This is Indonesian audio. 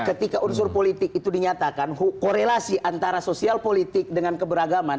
ketika unsur politik itu dinyatakan korelasi antara sosial politik dengan keberagaman